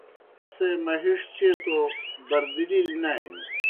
اسے مہِݜ چیئے توْ بردِلیْ نانیْ۔